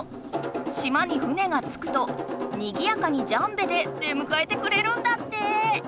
島に船がつくとにぎやかにジャンベで出むかえてくれるんだって。